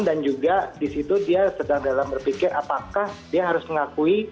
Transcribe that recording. dan juga di situ dia sedang dalam berpikir apakah dia harus mengakui